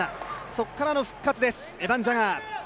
そこからの復活ですエバン・ジャガー。